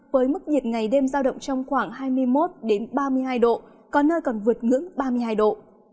với mức nhiệt ngày đêm giao động trong khoảng hai mươi một ba mươi hai độ có nơi còn vượt ngưỡng ba mươi hai độ